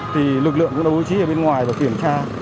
thì lực lượng cũng đã bố trí ở bên ngoài rồi kiểm tra